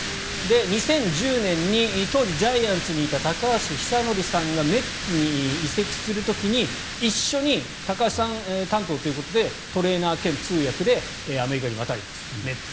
２０１０年に当時ジャイアンツにいた高橋尚成さんがメッツに移籍する時に一緒に高橋さん担当ということでトレーナー兼通訳でアメリカに渡ります。